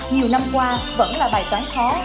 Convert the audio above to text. nhiều năm qua vẫn là bài toán khó